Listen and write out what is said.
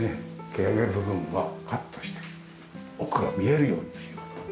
蹴上げ部分はカットして奥が見えるようにという事で。